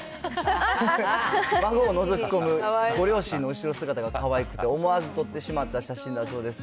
孫をのぞき込むご両親の後ろ姿がかわいくて思わず撮ってしまった写真だそうです。